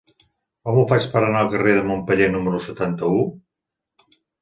Com ho faig per anar al carrer de Montpeller número setanta-u?